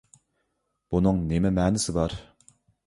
بۇنىڭ نېمە مەنىسى بار؟